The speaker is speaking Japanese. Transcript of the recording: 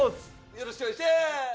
よろしくお願いしゃーす！